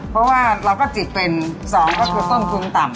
เพราะว่าเราก็จิดเป็นสองก็คือช่วงภูมิต่ำ